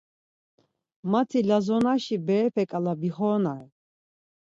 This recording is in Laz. Mati Lazonaşi berepe ǩala bixoronare.